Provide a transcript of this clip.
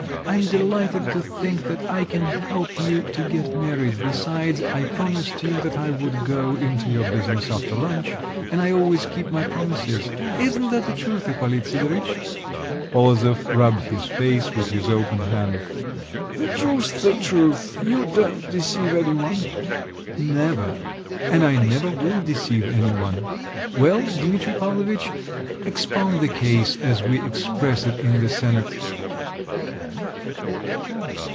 I'm delighted to think that I can help you to get married, besides, I promised you that I would go into your business after lunch, and I always keep my promises, isn't that the truth, Ippolit Sidoritch?" Polozov rubbed his face with his open hand. "The truth's the truth. You don't deceive any one." "Never! and I never will deceive any one. Well, Dimitri Pavlovitch, expound the case as we express it in the senate."